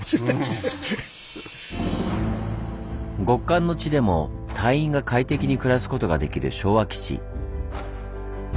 極寒の地でも隊員が快適に暮らすことができる昭和基地。